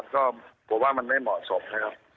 ก็ผมว่ามันไม่เหมาะสมนะครับ